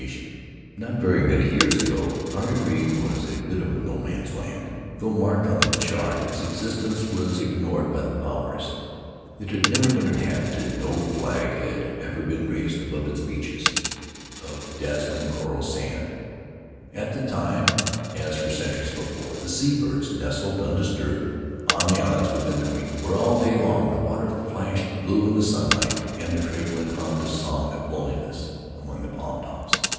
Not very many years ago Ariri was a bit of no man's land; though marked on the chart, its existence was ignored by the Powers — it had never been inhabited, no flag had ever been raised above its beaches of dazzling coral sand. At that time, as for centuries before, the sea birds nested undisturbed on the islets within the reef, where all day long the water flashed blue in the sunlight and the trade wind hummed a song of loneliness among the palm tops.